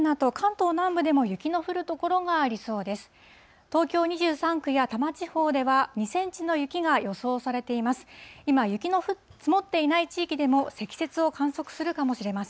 東京２３区や多摩地方では、２センチの雪が予想されています。